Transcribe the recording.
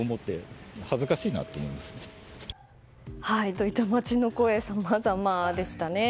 そういった街の声さまざまでしたね。